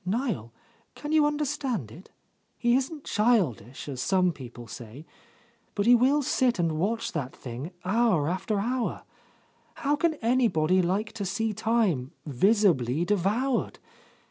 "Niel, can you understand it? He isn't childish, as some people say, but he will sit and watch that thing hour after hour. How can anybody like to see time visibly devoured?